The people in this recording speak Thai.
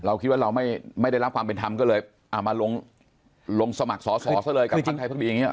คิดว่าเราไม่ได้รับความเป็นธรรมก็เลยมาลงสมัครสอสอซะเลยกับพักไทยพักดีอย่างนี้